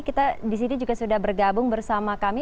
kita di sini juga sudah bergabung bersama kami